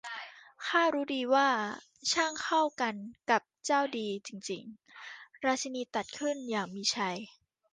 'ข้ารู้ดีว่า ช่างเข้ากันกับเจ้าดีจริง ๆ !' ราชินีตรัสขึ้นอย่างมีชัย